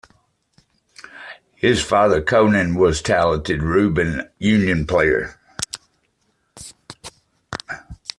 His father Colin was a talented rugby union player.